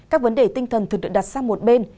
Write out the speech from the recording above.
các vấn đề tinh thần thường được đặt sang một bên